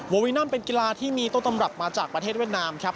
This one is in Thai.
วินัมเป็นกีฬาที่มีต้นตำรับมาจากประเทศเวียดนามครับ